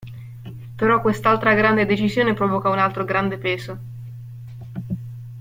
Però quest'altra grande decisione provoca un altro grande peso.